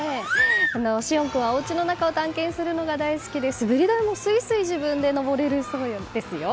紫恩君はおうちの中を探検するのが大好きで滑り台もすいすい自分で上れるそうですよ。